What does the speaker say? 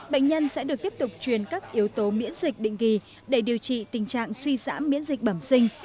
bệnh nhân sẽ được tiếp tục truyền các yếu tố miễn dịch định kỳ để điều trị tình trạng suy giảm miễn dịch bẩm sinh